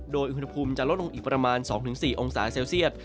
โดยอุณหภูมิจะลดลงอีกประมาณ๒๔องศาเซลเซียต